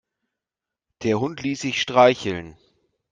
Der Hund ließ sich streicheln.